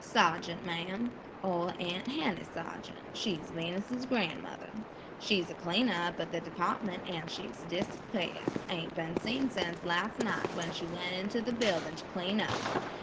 "Sergeant, ma'am, Ol' Aunt Henny Sargeant, she's Venus's gran'mother. She's a cleaner up at the department, an' she's disappeared; ain't been seen sense last night, when she went into the building to clean up.